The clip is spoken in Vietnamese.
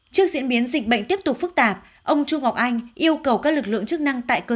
trước diễn biến dịch bệnh tiếp tục phức tạp ông chu ngọc anh yêu cầu các lực lượng chức năng tại cơ sở